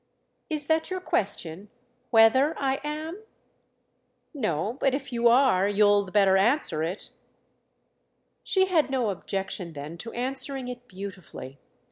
"Is that your question—whether I am?" "No, but if you are you'll the better answer it" She had no objection then to answering it beautifully.